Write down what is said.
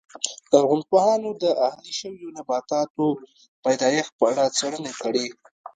لرغونپوهانو د اهلي شویو نباتاتو پیدایښت په اړه څېړنې کړې